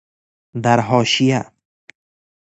در حاشیه